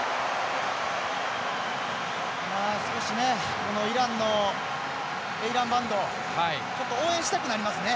少しイランのベイランバンドちょっと応援したくなりますね。